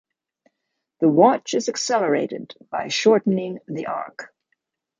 The Watch is accelerated by shortening the arc.